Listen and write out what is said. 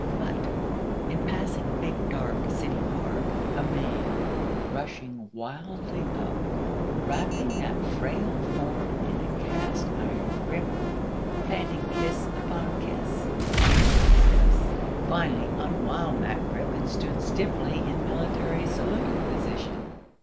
But!! In passing big, dark City Park, a man, rushing wildly up, wrapping that frail form in a cast iron grip, planting kiss upon kiss upon Mary's lips, finally unwound that grip and stood stiffly in military saluting position.